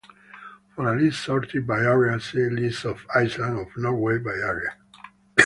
For a list sorted by area, see List of islands of Norway by area.